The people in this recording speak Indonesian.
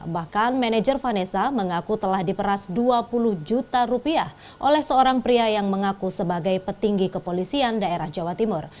bahkan manajer vanessa mengaku telah diperas dua puluh juta rupiah oleh seorang pria yang mengaku sebagai petinggi kepolisian daerah jawa timur